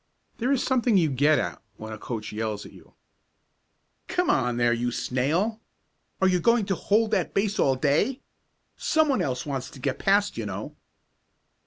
There is something you get at when a coach yells at you: "Come on there you snail! Are you going to hold that base all day? Someone else wants to get past you know.